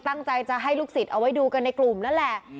ตั้งใจจะให้ลูกศิษย์เอาไว้ดูกันในกลุ่มนั่นแหละ